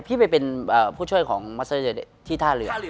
พี่ไปเป็นผู้ช่วยของมัสเตอร์เลที่ท่าเรือ